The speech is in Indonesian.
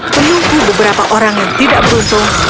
menyuku beberapa orang yang tidak beruntung